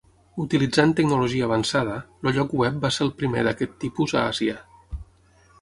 Utilitzant tecnologia avançada, el lloc web va ser el primer d'aquest tipus a Àsia.